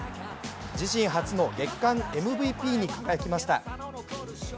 自身初の月間ＭＶＰに輝きました。